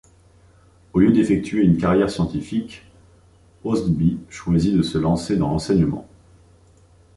Au lieu d'effectuer une carrière scientifique, Østbye choisit de se lancer dans l'enseignement.